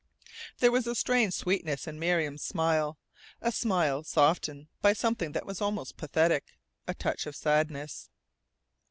There was a strange sweetness in Miriam's smile, a smile softened by something that was almost pathetic, a touch of sadness.